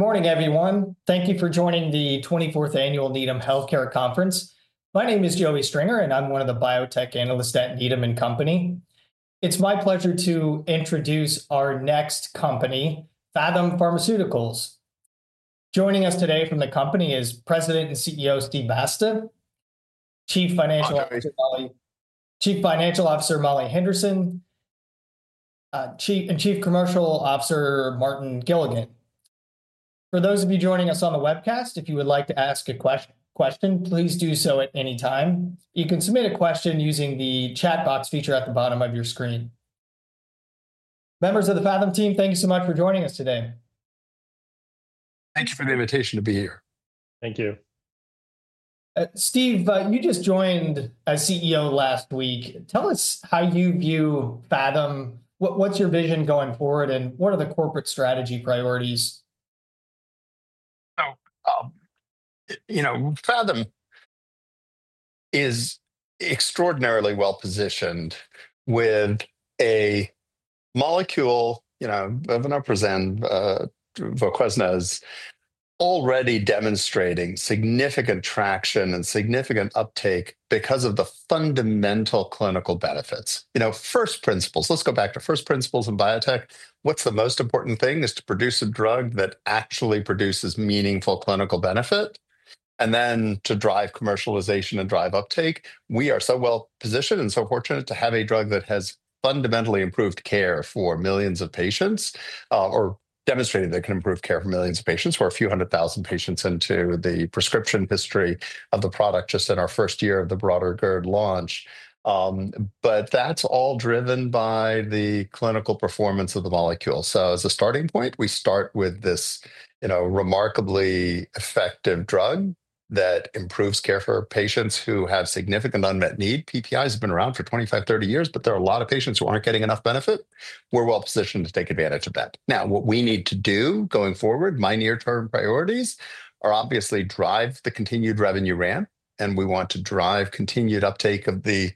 Good morning, everyone. Thank you for joining the 24th Annual Needham Healthcare Conference. My name is Joey Stringer, and I'm one of the biotech analysts at Needham and Company. It's my pleasure to introduce our next company, Phathom Pharmaceuticals. Joining us today from the company is President and CEO Steve Basta, Chief Financial Officer Molly Henderson, and Chief Commercial Officer Martin Gilligan. For those of you joining us on the webcast, if you would like to ask a question, please do so at any time. You can submit a question using the chat box feature at the bottom of your screen. Members of the Phathom team, thank you so much for joining us today. Thank you for the invitation to be here. Thank you. Steve, you just joined as CEO last week. Tell us how you view Phathom. What's your vision going forward, and what are the corporate strategy priorities? Phathom is extraordinarily well positioned with a molecule of VOQUEZNA, VOQUEZNA's already demonstrating significant traction and significant uptake because of the fundamental clinical benefits. First principles, let's go back to first principles in biotech. What's the most important thing is to produce a drug that actually produces meaningful clinical benefit and then to drive commercialization and drive uptake. We are so well positioned and so fortunate to have a drug that has fundamentally improved care for millions of patients or demonstrated that it can improve care for millions of patients. We're a few hundred thousand patients into the prescription history of the product just in our first year of the broader GERD launch. That's all driven by the clinical performance of the molecule. As a starting point, we start with this remarkably effective drug that improves care for patients who have significant unmet need. PPIs have been around for 25, 30 years, but there are a lot of patients who aren't getting enough benefit. We're well positioned to take advantage of that. Now, what we need to do going forward, my near-term priorities are obviously drive the continued revenue ramp, and we want to drive continued uptake of the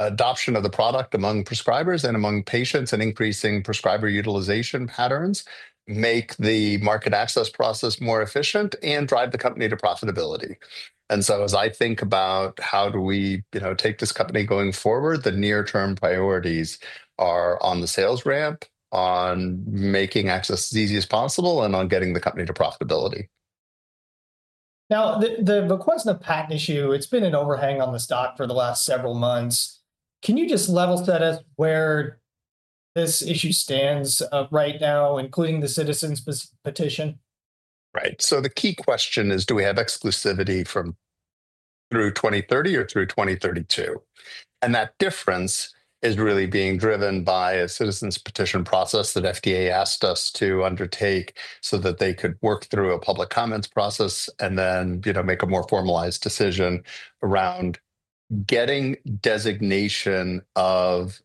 adoption of the product among prescribers and among patients and increasing prescriber utilization patterns, make the market access process more efficient, and drive the company to profitability. As I think about how do we take this company going forward, the near-term priorities are on the sales ramp, on making access as easy as possible, and on getting the company to profitability. Now, the VOQUEZNA patent issue, it's been an overhang on the stock for the last several months. Can you just level set us where this issue stands right now, including the citizens' petition? Right. The key question is, do we have exclusivity through 2030 or through 2032? That difference is really being driven by a citizens' petition process that FDA asked us to undertake so that they could work through a public comments process and then make a more formalized decision around getting designation of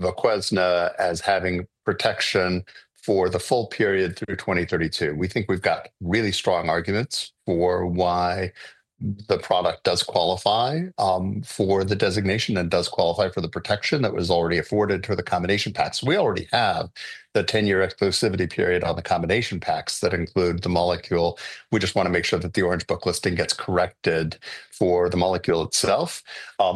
VOQUEZNA as having protection for the full period through 2032. We think we've got really strong arguments for why the product does qualify for the designation and does qualify for the protection that was already afforded to the combination packs. We already have the 10-year exclusivity period on the combination packs that include the molecule. We just want to make sure that the Orange Book listing gets corrected for the molecule itself.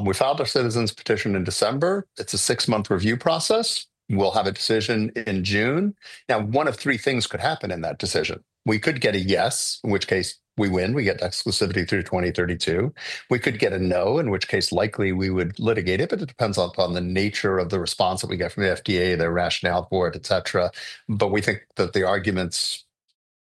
We filed our citizens' petition in December. It's a six-month review process. We'll have a decision in June. Now, one of three things could happen in that decision. We could get a yes, in which case we win. We get exclusivity through 2032. We could get a no, in which case likely we would litigate it, but it depends on the nature of the response that we get from the FDA, their rationale for it, et cetera. We think that the arguments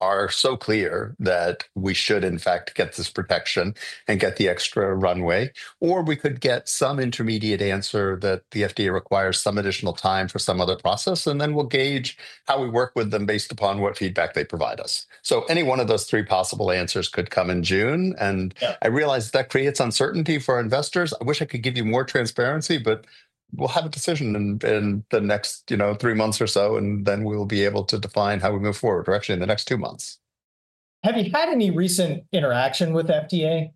are so clear that we should, in fact, get this protection and get the extra runway. We could get some intermediate answer that the FDA requires some additional time for some other process, and then we'll gauge how we work with them based upon what feedback they provide us. Any one of those three possible answers could come in June. I realize that creates uncertainty for our investors. I wish I could give you more transparency, but we'll have a decision in the next three months or so, and then we'll be able to define how we move forward, or actually in the next two months. Have you had any recent interaction with FDA?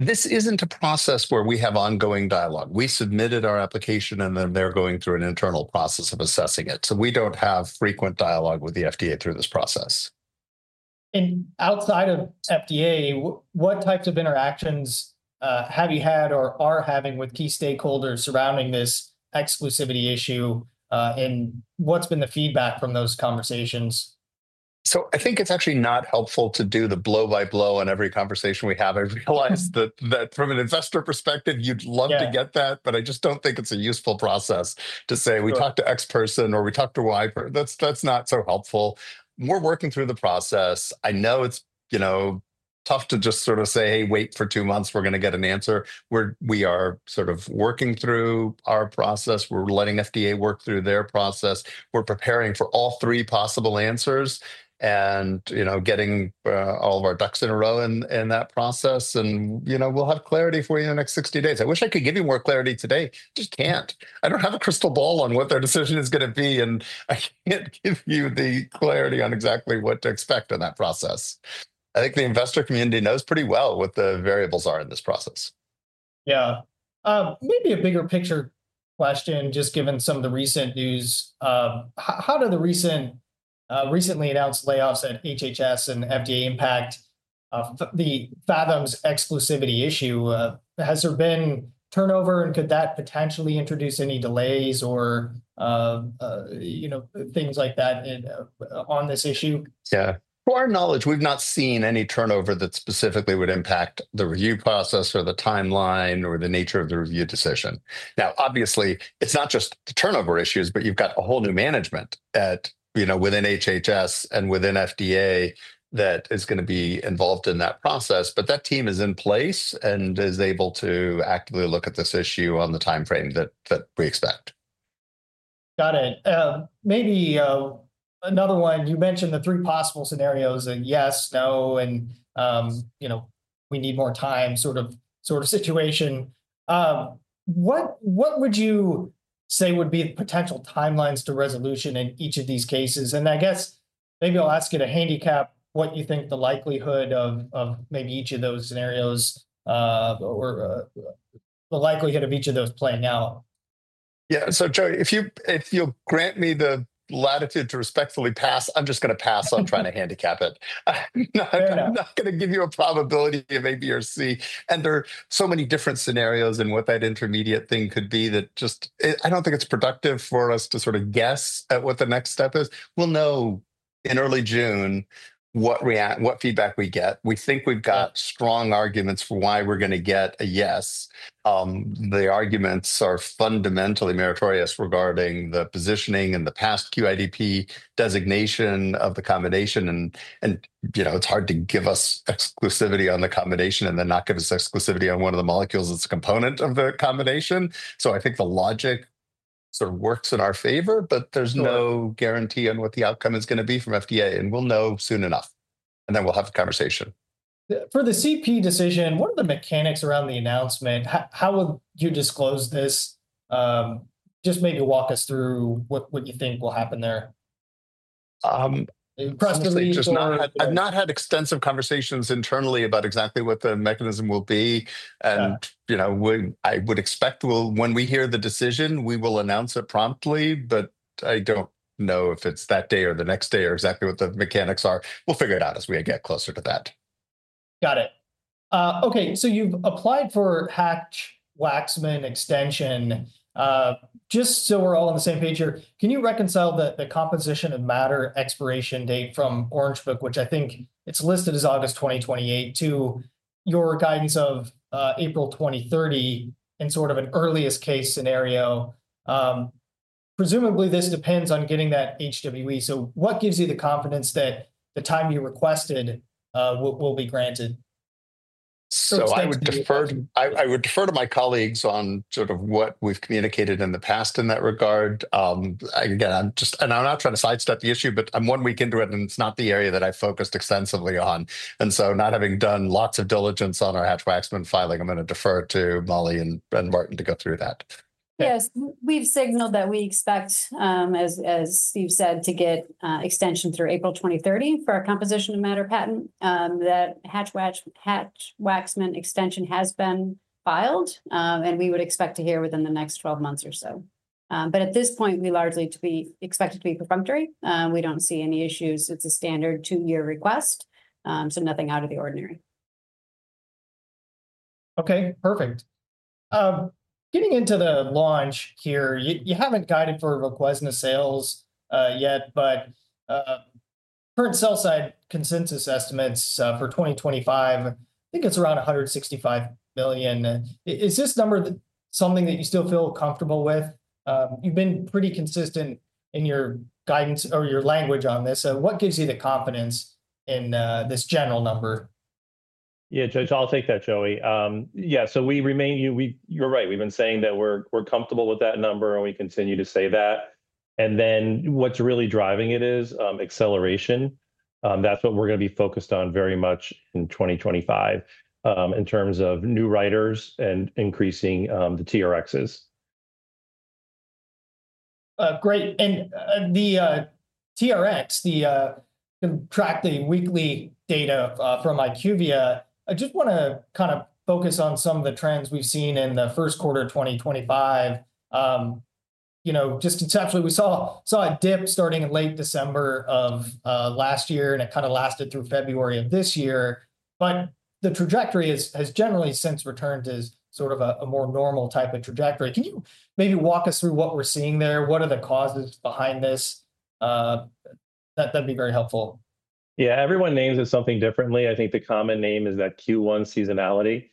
This isn't a process where we have ongoing dialogue. We submitted our application, and then they're going through an internal process of assessing it. We don't have frequent dialogue with the FDA through this process. Outside of FDA, what types of interactions have you had or are having with key stakeholders surrounding this exclusivity issue, and what's been the feedback from those conversations? I think it's actually not helpful to do the blow-by-blow on every conversation we have. I realize that from an investor perspective, you'd love to get that, but I just don't think it's a useful process to say, "We talked to X person," or, "We talked to Y person." That's not so helpful. We're working through the process. I know it's tough to just sort of say, "Hey, wait for two months. We're going to get an answer." We are sort of working through our process. We're letting FDA work through their process. We're preparing for all three possible answers and getting all of our ducks in a row in that process. We'll have clarity for you in the next 60 days. I wish I could give you more clarity today. I just can't. I don't have a crystal ball on what their decision is going to be, and I can't give you the clarity on exactly what to expect in that process. I think the investor community knows pretty well what the variables are in this process. Yeah. Maybe a bigger picture question, just given some of the recent news. How do the recently announced layoffs at HHS and FDA impact Phathom's exclusivity issue? Has there been turnover, and could that potentially introduce any delays or things like that on this issue? Yeah. To our knowledge, we've not seen any turnover that specifically would impact the review process or the timeline or the nature of the review decision. Now, obviously, it's not just the turnover issues, but you've got a whole new management within HHS and within FDA that is going to be involved in that process. That team is in place and is able to actively look at this issue on the timeframe that we expect. Got it. Maybe another one, you mentioned the three possible scenarios of yes, no, and we need more time sort of situation. What would you say would be the potential timelines to resolution in each of these cases? I guess maybe I'll ask you to handicap what you think the likelihood of maybe each of those scenarios or the likelihood of each of those playing out. Yeah. Joey, if you'll grant me the latitude to respectfully pass, I'm just going to pass on trying to handicap it. I'm not going to give you a probability of A, B, or C. There are so many different scenarios in what that intermediate thing could be that I don't think it's productive for us to sort of guess at what the next step is. We'll know in early June what feedback we get. We think we've got strong arguments for why we're going to get a yes. The arguments are fundamentally meritorious regarding the positioning and the past QIDP designation of the combination. It's hard to give us exclusivity on the combination and then not give us exclusivity on one of the molecules that's a component of the combination. I think the logic sort of works in our favor, but there's no guarantee on what the outcome is going to be from FDA. We'll know soon enough, and then we'll have a conversation. For the CP decision, what are the mechanics around the announcement? How would you disclose this? Just maybe walk us through what you think will happen there. I've not had extensive conversations internally about exactly what the mechanism will be. I would expect when we hear the decision, we will announce it promptly, but I don't know if it's that day or the next day or exactly what the mechanics are. We'll figure it out as we get closer to that. Got it. Okay. You have applied for Hatch-Waxman Extension. Just so we are all on the same page here, can you reconcile the composition of matter expiration date from Orange Book, which I think is listed as August 2028, to your guidance of April 2030 in sort of an earliest case scenario? Presumably, this depends on getting that HWE. What gives you the confidence that the time you requested will be granted? I would defer to my colleagues on sort of what we've communicated in the past in that regard. Again, I'm just, and I'm not trying to sidestep the issue, but I'm one week into it, and it's not the area that I focused extensively on. Not having done lots of diligence on our Hatch-Waxman filing, I'm going to defer to Molly and Martin to go through that. Yes. We've signaled that we expect, as Steve said, to get extension through April 2030 for our composition of matter patent. That Hatch-Waxman Extension has been filed, and we would expect to hear within the next 12 months or so. At this point, we largely expect it to be perfunctory. We don't see any issues. It's a standard two-year request, so nothing out of the ordinary. Okay. Perfect. Getting into the launch here, you haven't guided for VOQUEZNA sales yet, but current sell-side consensus estimates for 2025, I think it's around $165 million. Is this number something that you still feel comfortable with? You've been pretty consistent in your guidance or your language on this. What gives you the confidence in this general number? Yeah, Joey, I'll take that, Joey. Yeah. You're right. We've been saying that we're comfortable with that number, and we continue to say that. What's really driving it is acceleration. That's what we're going to be focused on very much in 2025 in terms of new writers and increasing the TRxs. Great. The TRx, the track, the weekly data from IQVIA, I just want to kind of focus on some of the trends we've seen in the first quarter of 2025. Essentially, we saw a dip starting in late December of last year, and it kind of lasted through February of this year. The trajectory has generally since returned to sort of a more normal type of trajectory. Can you maybe walk us through what we're seeing there? What are the causes behind this? That'd be very helpful. Yeah. Everyone names it something differently. I think the common name is that Q1 seasonality.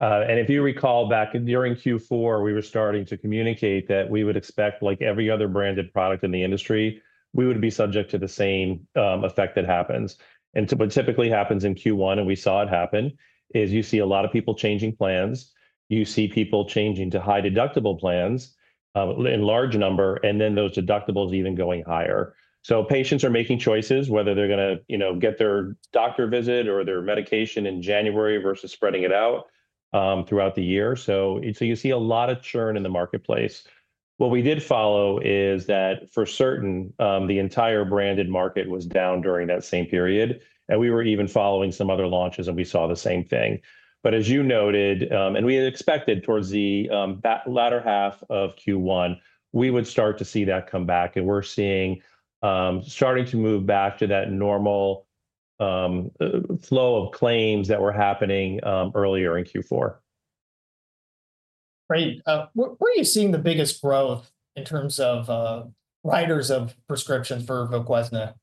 If you recall back during Q4, we were starting to communicate that we would expect, like every other branded product in the industry, we would be subject to the same effect that happens. What typically happens in Q1, and we saw it happen, is you see a lot of people changing plans. You see people changing to high deductible plans in large number, and then those deductibles even going higher. Patients are making choices whether they're going to get their doctor visit or their medication in January versus spreading it out throughout the year. You see a lot of churn in the marketplace. What we did follow is that for certain, the entire branded market was down during that same period. We were even following some other launches, and we saw the same thing. As you noted, and we had expected towards the latter half of Q1, we would start to see that come back. We are seeing starting to move back to that normal flow of claims that were happening earlier in Q4. Great. Where are you seeing the biggest growth in terms of writers of prescription for VOQUEZNA?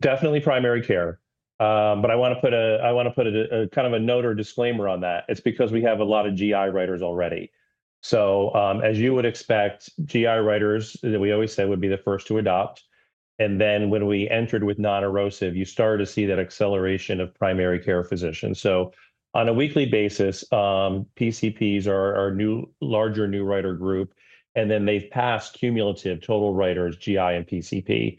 Definitely primary care. I want to put a kind of a note or disclaimer on that. It's because we have a lot of GI writers already. As you would expect, GI writers, we always say, would be the first to adopt. When we entered with non-erosive, you started to see that acceleration of primary care physicians. On a weekly basis, PCPs are a larger new writer group, and they've passed cumulative total writers, GI and PCP.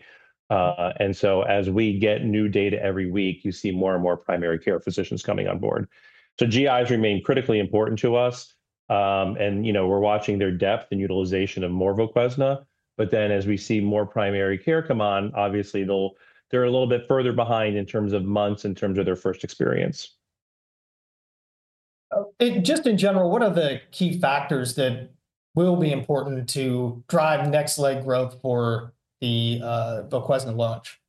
As we get new data every week, you see more and more primary care physicians coming on board. GIs remain critically important to us. We're watching their depth and utilization of more VOQUEZNA. As we see more primary care come on, obviously, they're a little bit further behind in terms of months in terms of their first experience. Just in general, what are the key factors that will be important to drive next leg growth for the VOQUEZNA launch?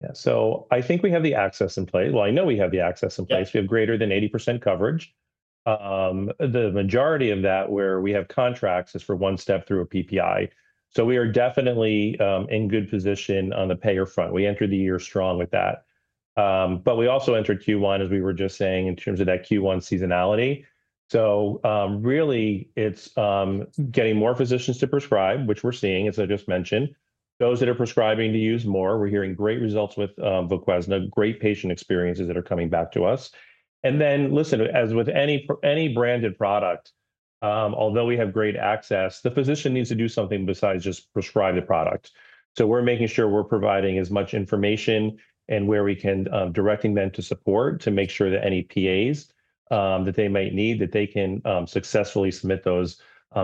Yeah. I think we have the access in place. I know we have the access in place. We have greater than 80% coverage. The majority of that where we have contracts is for one step through a PPI. We are definitely in good position on the payer front. We entered the year strong with that. We also entered Q1, as we were just saying, in terms of that Q1 seasonality. Really, it's getting more physicians to prescribe, which we're seeing, as I just mentioned. Those that are prescribing to use more. We're hearing great results with VOQUEZNA, great patient experiences that are coming back to us. Listen, as with any branded product, although we have great access, the physician needs to do something besides just prescribe the product. We're making sure we're providing as much information and where we can direct them to support to make sure that any PAs that they might need, that they can successfully submit those,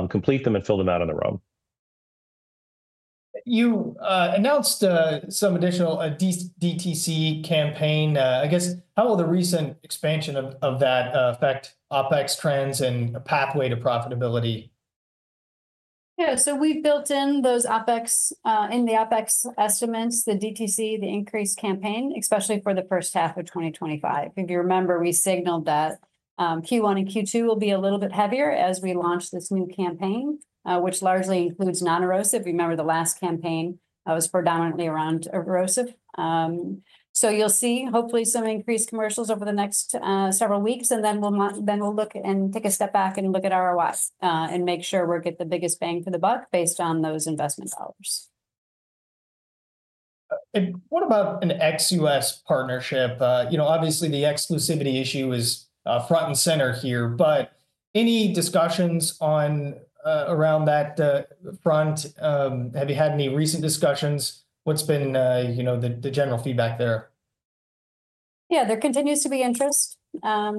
complete them, and fill them out on their own. You announced some additional DTC campaign. I guess how will the recent expansion of that affect OpEx trends and pathway to profitability? Yeah. We have built in those OpEx in the OpEx estimates, the DTC, the increased campaign, especially for the first half of 2025. If you remember, we signaled that Q1 and Q2 will be a little bit heavier as we launch this new campaign, which largely includes non-erosive. Remember, the last campaign was predominantly around erosive. You will see, hopefully, some increased commercials over the next several weeks. We will look and take a step back and look at ROIs and make sure we get the biggest bang for the buck based on those investment dollars. What about an ex-U.S. partnership? Obviously, the exclusivity issue is front and center here, but any discussions around that front? Have you had any recent discussions? What's been the general feedback there? Yeah. There continues to be interest.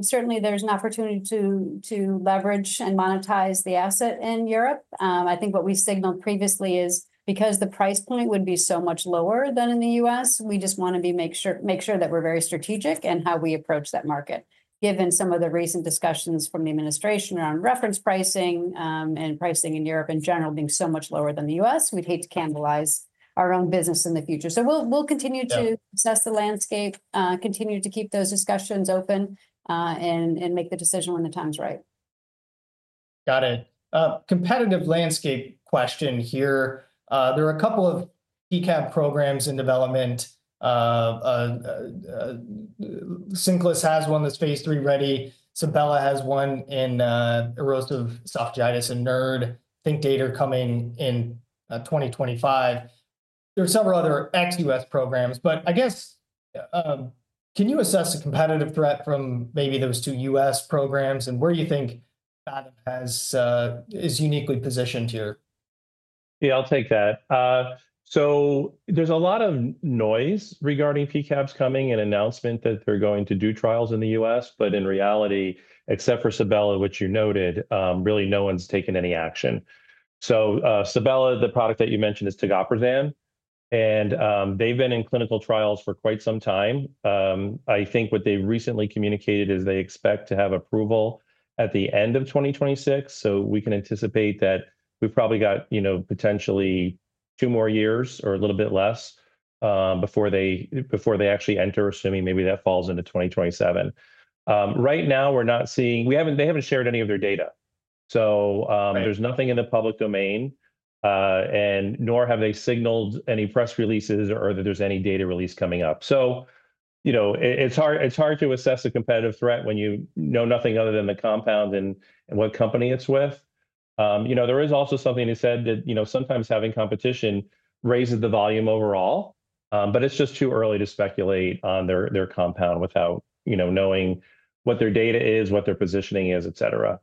Certainly, there's an opportunity to leverage and monetize the asset in Europe. I think what we've signaled previously is because the price point would be so much lower than in the U.S., we just want to make sure that we're very strategic in how we approach that market. Given some of the recent discussions from the administration around reference pricing and pricing in Europe in general being so much lower than the U.S., we'd hate to cannibalize our own business in the future. We will continue to assess the landscape, continue to keep those discussions open, and make the decision when the time's right. Got it. Competitive landscape question here. There are a couple of P-CAB programs in development. Cinclus has one that's phase III ready. Sabela has one in erosive esophagitis and NERD. I think data are coming in 2025. There are several other ex-U.S. programs. I guess, can you assess the competitive threat from maybe those two U.S. programs and where you think Phathom is uniquely positioned here? Yeah, I'll take that. There is a lot of noise regarding P-CABs coming and announcement that they're going to do trials in the U.S. In reality, except for Sabela, which you noted, really no one's taken any action. Sabela, the product that you mentioned, is tegoprazan. They've been in clinical trials for quite some time. I think what they recently communicated is they expect to have approval at the end of 2026. We can anticipate that we've probably got potentially two more years or a little bit less before they actually enter, assuming maybe that falls into 2027. Right now, we're not seeing they haven't shared any of their data. There is nothing in the public domain, nor have they signaled any press releases or that there is any data release coming up. It's hard to assess the competitive threat when you know nothing other than the compound and what company it's with. There is also something to say that sometimes having competition raises the volume overall, but it's just too early to speculate on their compound without knowing what their data is, what their positioning is, etc.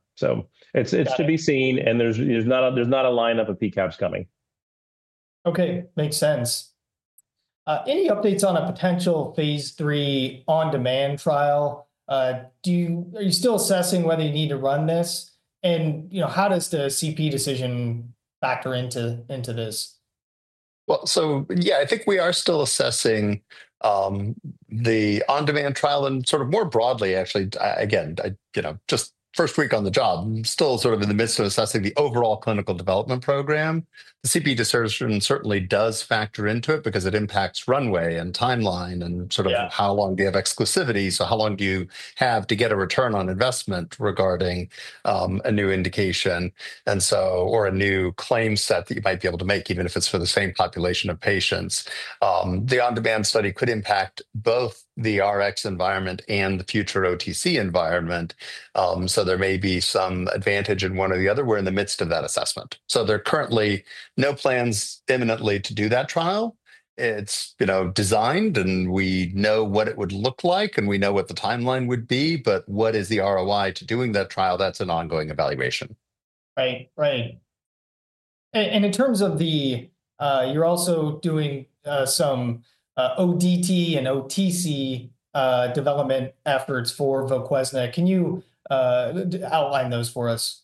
It's to be seen, and there's not a lineup of P-CABs coming. Okay. Makes sense. Any updates on a potential phase III on-demand trial? Are you still assessing whether you need to run this? How does the CP decision factor into this? Yeah, I think we are still assessing the on-demand trial and sort of more broadly, actually. Again, just first week on the job, still sort of in the midst of assessing the overall clinical development program. The CP discernment certainly does factor into it because it impacts runway and timeline and sort of how long do you have exclusivity. So how long do you have to get a return on investment regarding a new indication or a new claim set that you might be able to make, even if it's for the same population of patients? The on-demand study could impact both the Rx environment and the future OTC environment. There may be some advantage in one or the other. We're in the midst of that assessment. There are currently no plans imminently to do that trial. It's designed, and we know what it would look like, and we know what the timeline would be. What is the ROI to doing that trial? That's an ongoing evaluation. Right. Right. In terms of the you're also doing some ODT and OTC development efforts for VOQUEZNA. Can you outline those for us?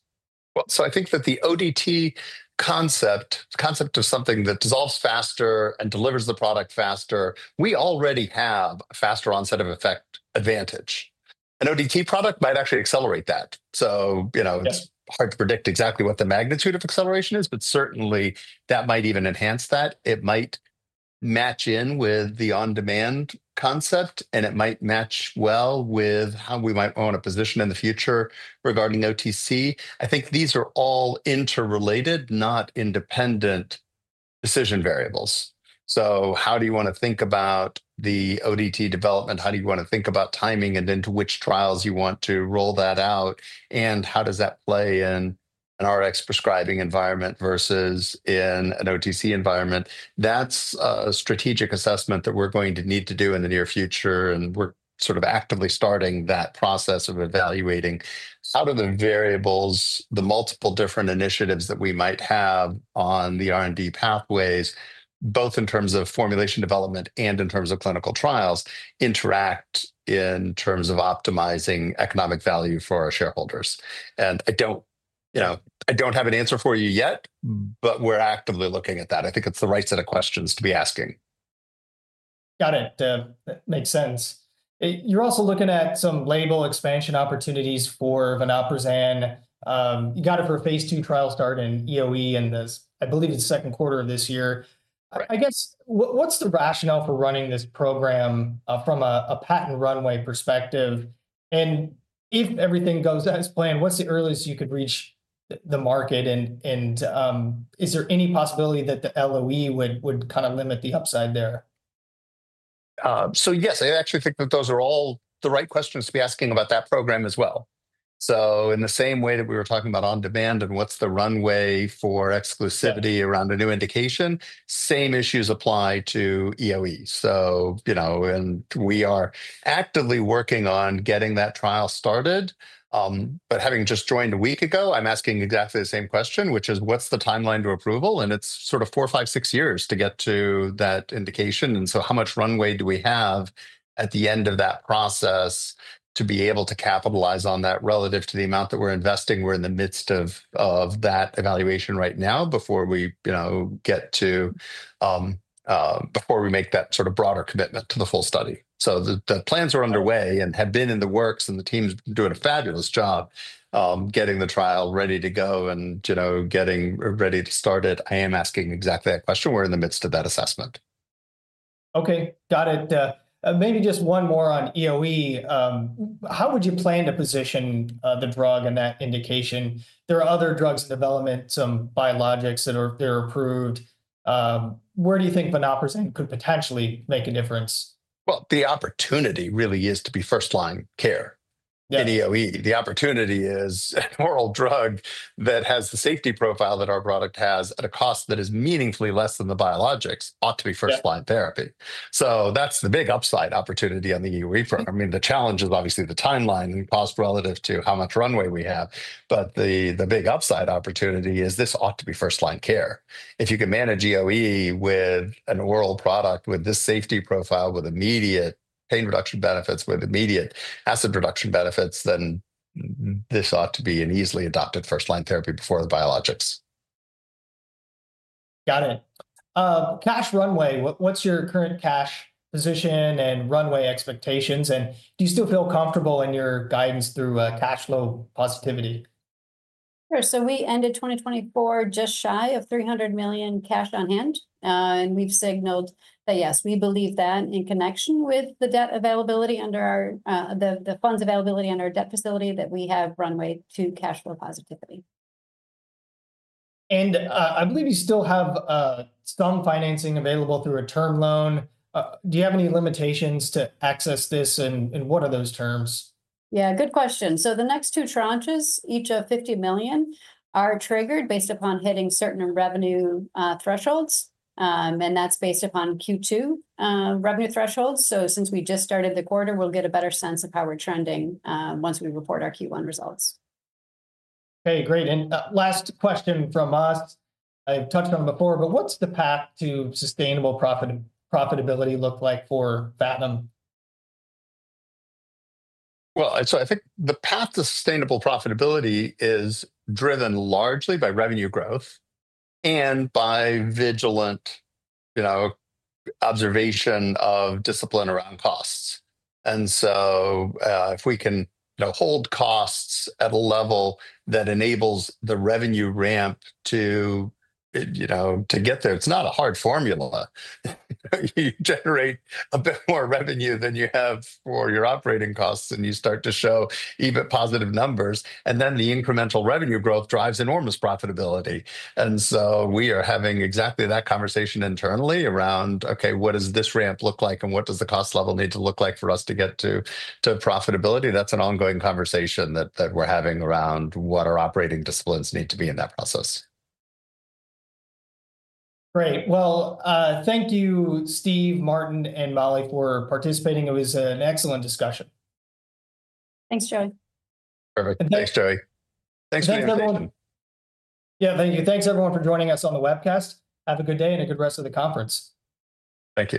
I think that the ODT concept, the concept of something that dissolves faster and delivers the product faster, we already have a faster onset of effect advantage. An ODT product might actually accelerate that. It's hard to predict exactly what the magnitude of acceleration is, but certainly, that might even enhance that. It might match in with the on-demand concept, and it might match well with how we might want to position in the future regarding OTC. I think these are all interrelated, not independent decision variables. How do you want to think about the ODT development? How do you want to think about timing and into which trials you want to roll that out? How does that play in an RX prescribing environment versus in an OTC environment? That's a strategic assessment that we're going to need to do in the near future. We're sort of actively starting that process of evaluating how do the variables, the multiple different initiatives that we might have on the R&D pathways, both in terms of formulation development and in terms of clinical trials, interact in terms of optimizing economic value for our shareholders. I don't have an answer for you yet, but we're actively looking at that. I think it's the right set of questions to be asking. Got it. That makes sense. You're also looking at some label expansion opportunities for VOQUEZNA. You got it for phase II trial start in EOE in this, I believe it's second quarter of this year. I guess, what's the rationale for running this program from a patent runway perspective? If everything goes as planned, what's the earliest you could reach the market? Is there any possibility that the LOE would kind of limit the upside there? Yes, I actually think that those are all the right questions to be asking about that program as well. In the same way that we were talking about on-demand and what's the runway for exclusivity around a new indication, same issues apply to EOE. We are actively working on getting that trial started. Having just joined a week ago, I'm asking exactly the same question, which is, what's the timeline to approval? It's sort of four, five, six years to get to that indication. How much runway do we have at the end of that process to be able to capitalize on that relative to the amount that we're investing? We're in the midst of that evaluation right now before we make that sort of broader commitment to the full study. The plans are underway and have been in the works, and the team's doing a fabulous job getting the trial ready to go and getting ready to start it. I am asking exactly that question. We're in the midst of that assessment. Okay. Got it. Maybe just one more on EOE. How would you plan to position the drug in that indication? There are other drugs in development, some biologics that are approved. Where do you think vonoprazan could potentially make a difference? The opportunity really is to be first-line care in EOE. The opportunity is an oral drug that has the safety profile that our product has at a cost that is meaningfully less than the biologics ought to be first-line therapy. That is the big upside opportunity on the EOE program. I mean, the challenge is obviously the timeline and cost relative to how much runway we have. The big upside opportunity is this ought to be first-line care. If you can manage EOE with an oral product with this safety profile, with immediate pain reduction benefits, with immediate acid reduction benefits, then this ought to be an easily adopted first-line therapy before the biologics. Got it. Cash runway, what's your current cash position and runway expectations? Do you still feel comfortable in your guidance through cash flow positivity? Sure. We ended 2024 just shy of $300 million cash on hand. We've signaled that, yes, we believe that in connection with the debt availability under the funds availability on our debt facility that we have runway to cash flow positivity. I believe you still have some financing available through a term loan. Do you have any limitations to access this? What are those terms? Yeah, good question. The next two tranches, each of $50 million, are triggered based upon hitting certain revenue thresholds. That's based upon Q2 revenue thresholds. Since we just started the quarter, we'll get a better sense of how we're trending once we report our Q1 results. Okay. Great. Last question from us. I've touched on it before, but what's the path to sustainable profitability look like for Phathom? I think the path to sustainable profitability is driven largely by revenue growth and by vigilant observation of discipline around costs. If we can hold costs at a level that enables the revenue ramp to get there, it's not a hard formula. You generate a bit more revenue than you have for your operating costs, and you start to show even positive numbers. The incremental revenue growth drives enormous profitability. We are having exactly that conversation internally around, okay, what does this ramp look like? What does the cost level need to look like for us to get to profitability? That's an ongoing conversation that we're having around what our operating disciplines need to be in that process. Great. Thank you, Steve, Martin, and Molly for participating. It was an excellent discussion. Thanks, Joey. Perfect. Thanks, Joey. Thanks, Neil. Yeah. Thank you. Thanks, everyone, for joining us on the webcast. Have a good day and a good rest of the conference. Thank you.